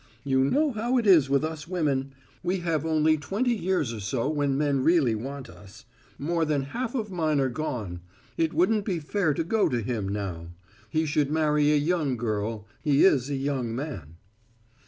You know how it is with us women. We have only twenty years or so when men really want us. More than half of mine are gone. It wouldn't be fair to go to him now. He should marry a young girl. He is a young man."